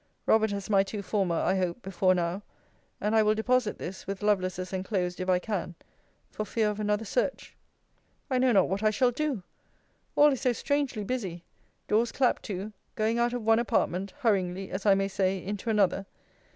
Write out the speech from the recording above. Robert has my two former, I hope, before now: and I will deposit this, with Lovelace's enclosed, if I can, for fear of another search. I know not what I shall do! All is so strangely busy! Doors clapt to going out of one apartment, hurryingly, as I may say, into another.